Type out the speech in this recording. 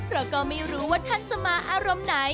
เพราะก็ไม่รู้ว่าท่านสมาอารมณ์ไหน